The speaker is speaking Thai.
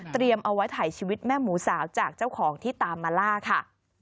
เอาไว้ถ่ายชีวิตแม่หมูสาวจากเจ้าของที่ตามมาล่าค่ะ